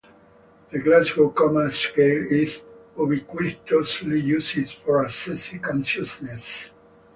The Glasgow Coma Scale is ubiquitously used for assessing consciousness.